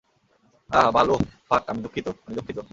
আহ, বাল ওহ, ফাক আমি দুঃখিত, আমি দুঃখিত।